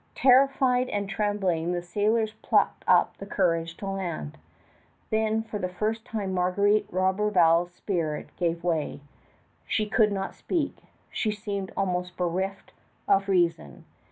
Terrified and trembling, the sailors plucked up courage to land. Then for the first time Marguerite Roberval's spirit gave way. She could not speak; she seemed almost bereft of reason.